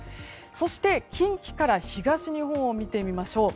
そして、近畿から東日本を見てみましょう。